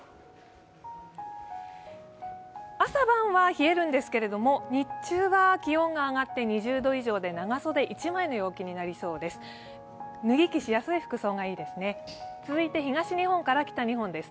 朝晩は冷えるんですけれども日中は気温が上がって２０度以上で、長袖１枚の陽気になりそうです。